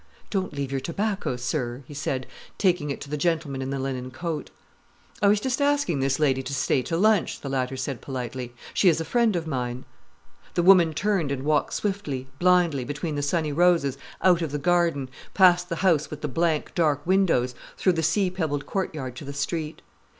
"Don't leave your tobacco, sir," he said, taking it to the gentleman in the linen coat. "I was just asking this lady to stay to lunch," the latter said politely. "She is a friend of mine." The woman turned and walked swiftly, blindly, between the sunny roses, out of the garden, past the house with the blank, dark windows, through the sea pebbled courtyard to the street.